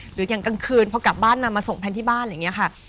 หรืออย่างกลางคืนพอกลับบ้านมามาส่งแพนที่บ้านอะไรอย่างนี้ค่ะ